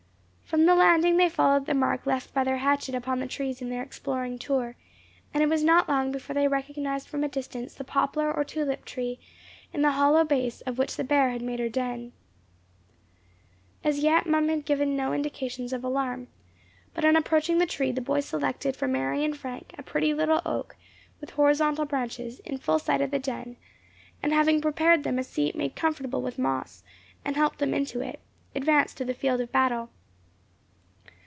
From the landing they followed the mark left by their hatchet upon the trees in their exploring tour, and it was not long before they recognized from a distance the poplar or tulip tree, in the hollow base of which the bear had made her den. As yet Mum had given no indications of alarm; but on approaching the tree the boys selected for Mary and Frank a pretty little oak, with horizontal branches, in full sight of the den; and having prepared them a seat made comfortable with moss, and helped them into it, advanced to the field of battle.